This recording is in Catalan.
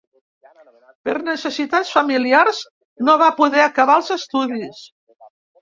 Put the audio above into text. Per necessitats familiars, no va poder acabar els estudis.